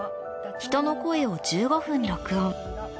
人の声を１５分録音。